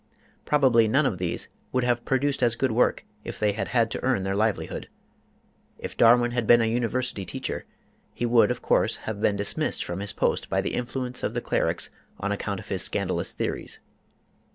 Probably none of these would have produced as good work if they had had to earn their livelihood. If Darwin had been a university teacher, he would of course have been dismissed from his post by the influence of the clerics on account of his scandalous theories.